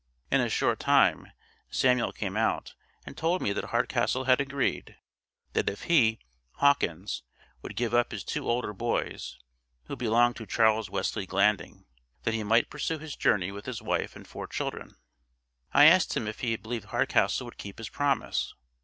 In a short time, Samuel came out, and told me that Hardcastle had agreed, that if he, Hawkins, would give up his two older boys, who belonged to Charles Wesley Glanding; then he might pursue his journey with his wife and four children. I asked him if he believed Hardcastle would keep his promise?